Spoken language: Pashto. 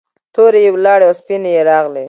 تورې یې ولاړې او سپینې یې راغلې.